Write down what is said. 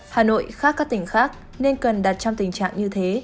hà nội khác các tỉnh khác nên cần đặt trong tình trạng như thế